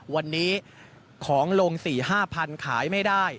วันนี้ของลง๔๕พันธุ์ขายไม่ได้